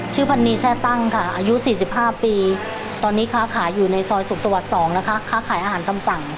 พันนีแช่ตั้งค่ะอายุ๔๕ปีตอนนี้ค้าขายอยู่ในซอยสุขสวรรค์๒นะคะค้าขายอาหารตำสั่ง